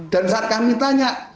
dan saat kami tanya